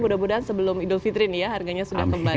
mudah mudahan sebelum idul fitrin ya harganya sudah kembali